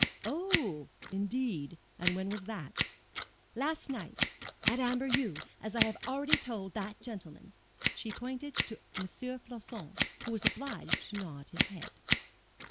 "Oh, indeed? and when was that?" "Last night, at Amberieux, as I have already told that gentleman." She pointed to M. Floçon, who was obliged to nod his head.